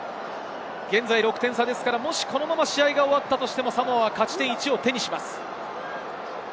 現在６点差ですから、このまま試合が終わったとしても、サモアは勝ち点１を手にします。